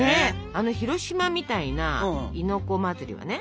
あの広島みたいな「亥の子祭り」はね